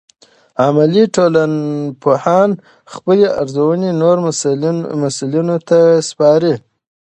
عملي ټولنپوهان خپلې ارزونې نورو مسؤلینو ته سپاري.